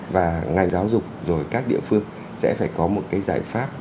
và ngành giáo dục rồi các địa phương sẽ phải có một cái giải pháp